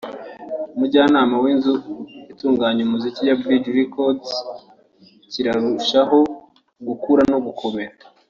umujyanama w’inzu itunganya umuziki ya Bridge Records kirarushaho gukura no gukomera